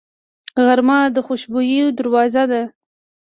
غرمه د خوشبویو دروازه ده